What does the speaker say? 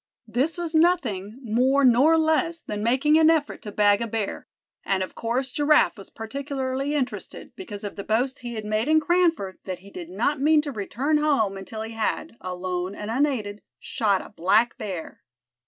This was nothing more nor less than making an effort to bag a bear; and of course Giraffe was particularly interested, because of the boast he had made in Cranford that he did not mean to return home until he had, alone and unaided, shot a black bear.